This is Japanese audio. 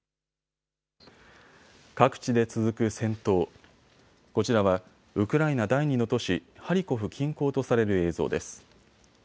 各地で続く戦闘、こちらはウクライナ第２の都市、ハリコフ近郊とされる映像です。